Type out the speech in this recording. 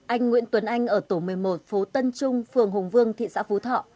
anh nguyễn tuấn anh ở tổ một mươi một phố tân trung phường hùng vương thị xã phú thọ